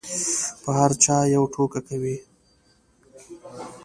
په هر چا یوه ټوکه کوي.